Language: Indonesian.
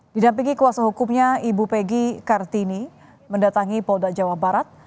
didampingi kuasa hukumnya ibu peggy kartini mendatangi polda jawa barat